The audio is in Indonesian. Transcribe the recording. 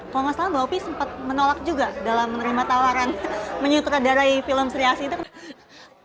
kalau nggak salah mbak opi sempat menolak juga dalam menerima tawaran menyutradarai film sri asi itu